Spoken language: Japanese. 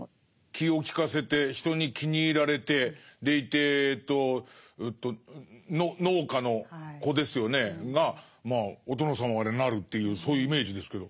気を利かせて人に気に入られてでいて農家の子ですよねがお殿様までなるというそういうイメージですけど。